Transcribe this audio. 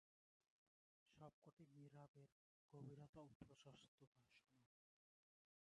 সবকটি মিহরাবের গভীরতা ও প্রশস্ততা সমান।